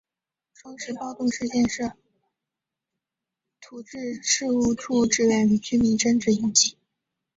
双十暴动事件是徙置事务处职员与居民争执引起。